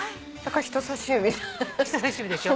だから人さし指で。